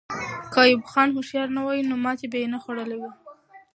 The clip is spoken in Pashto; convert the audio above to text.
که ایوب خان هوښیار نه وای، نو ماتې به یې خوړلې وه.